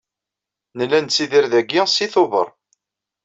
Nella nettidir dagi seg Tubeṛ.